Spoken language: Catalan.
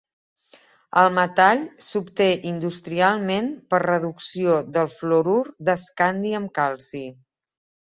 El metall s'obté industrialment per reducció del fluorur d'escandi amb calci.